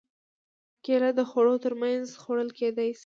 کېله د خوړو تر منځ خوړل کېدای شي.